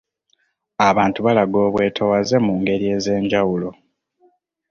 Abantu balaga obwetowaze mu ngeri ez'enjawulo